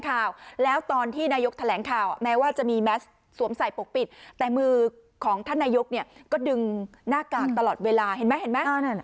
ข่าวแล้วตอนที่นายกแถลงข่าวแม้ว่าจะมีแมสสวมใส่ปกปิดแต่มือของท่านนายกเนี่ยก็ดึงหน้ากากตลอดเวลาเห็นไหมเห็นไหม